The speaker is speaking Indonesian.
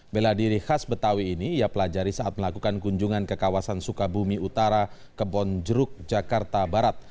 bela diri khas betawi ini ia pelajari saat melakukan kunjungan ke kawasan sukabumi utara kebonjeruk jakarta barat